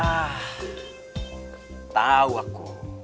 ah tau aku